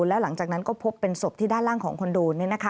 แล้วหลังจากนั้นก็พบเป็นศพที่ด้านล่างของคอนโด